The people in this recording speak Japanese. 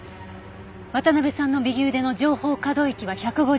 渡辺さんの右腕の上方可動域は１５０度。